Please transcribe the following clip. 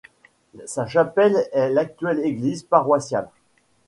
Sa chapelle est l'actuelle église paroissiale.